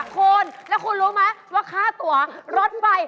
คุณแล้วคุณรู้ไหมว่าค่าตัวลดไป